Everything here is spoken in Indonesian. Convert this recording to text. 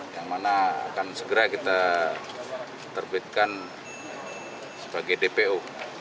yang mana akan segera kita terbitkan sebagai dpo